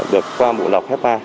được qua bộ lọc hepa